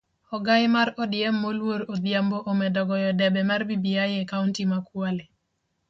Ogai mar odm moluor Odhiambo omedo goyo debe mar bbi e kaunti ma kwale